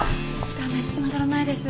ダメつながらないです。